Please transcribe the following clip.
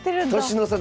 年の差